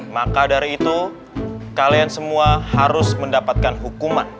maka dari itu kalian semua harus mendapatkan hukuman